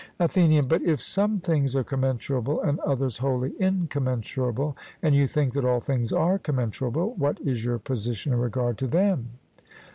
ATHENIAN: But if some things are commensurable and others wholly incommensurable, and you think that all things are commensurable, what is your position in regard to them?